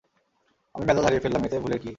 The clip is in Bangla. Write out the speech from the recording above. আমি মেজাজ হারিয়ে ফেললাম, এতে ভুলের কী?